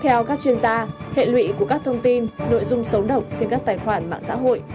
theo các chuyên gia hệ lụy của các thông tin nội dung xấu độc trên các tài khoản mạng xã hội